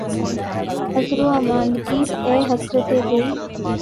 عذر واماندگی، اے حسرتِ دل!